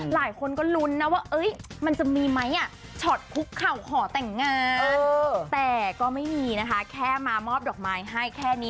หลายคนก็ลุ้นนะว่ามันจะมีไหมช็อตคุกเข่าขอแต่งงานแต่ก็ไม่มีนะคะแค่มามอบดอกไม้ให้แค่นี้